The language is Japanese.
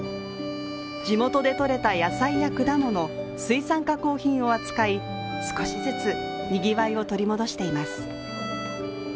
地元でとれた野菜や果物水産加工品を扱い、少しずつにぎわいを取り戻しています。